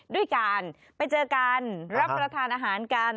ด้วยการไปเจอกันรับประทานอาหารกัน